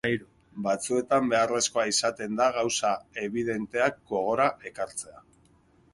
Batzuetan beharrezkoa izaten da gauza ebidenteak gogora ekartzea.